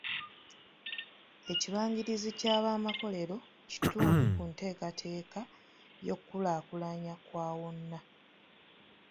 Ekibangirizi ky'abamakolero kitundu ku nteekateeka y'okulaakulanya kwa wonna.